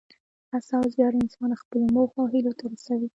هڅه او زیار انسان خپلو موخو او هیلو ته رسوي.